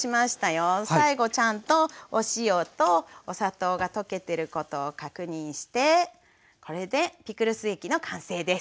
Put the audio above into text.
最後ちゃんとお塩とお砂糖が溶けてることを確認してこれでピクルス液の完成です。